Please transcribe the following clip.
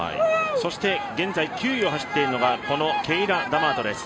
そして現在、９位を走っているのがケイラ・ダマートです。